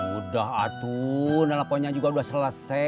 udah atun teleponnya juga udah selesai